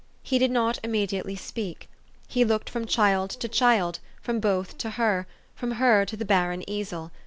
He did not im mediately speak. He looked from child to child, from both to her, from her to the barren easel.